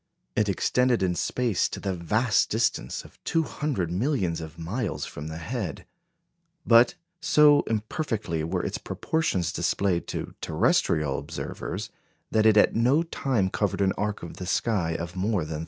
It extended in space to the vast distance of 200 millions of miles from the head; but, so imperfectly were its proportions displayed to terrestrial observers, that it at no time covered an arc of the sky of more than 30°.